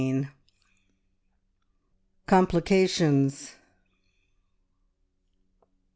COMPLICATIONS.